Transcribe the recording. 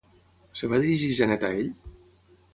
Es va dirigir Janet a ell?